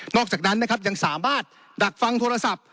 อกจากนั้นนะครับยังสามารถดักฟังโทรศัพท์